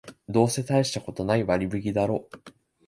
どうせたいしたことない割引だろう